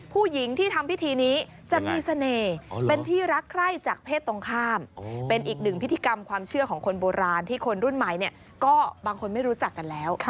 ผู้หญิงที่ทำพิธีนี้จะมีเสน่ห์เป็นที่รักใคร่จากเพศตรงข้ามเป็นอีกหนึ่งพิธีกรรมความเชื่อของคนโบราณที่คนรุ่นใหม่เนี่ยก็บางคนไม่รู้จักกันแล้ว